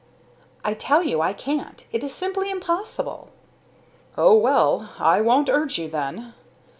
"I tell you I can't. It is simply impossible." "Oh, well! I won't urge you, then.